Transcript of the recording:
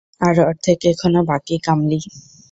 আর অর্ধেক এখনো বাকি, কামলি।